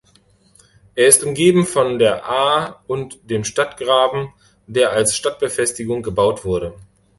Er ist umgeben von der Aa und dem Stadtgraben, der als Stadtbefestigung gebaut wurde.